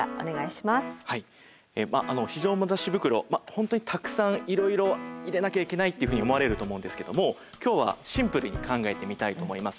本当にたくさんいろいろ入れなきゃいけないっていうふうに思われると思うんですけども今日はシンプルに考えてみたいと思います。